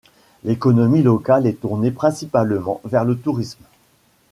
L'économie locale est tournée principalement vers le tourisme.